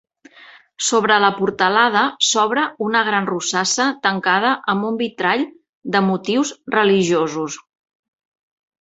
Sobre la portalada s'obre una gran rosassa tancada amb un vitrall de motius religiosos.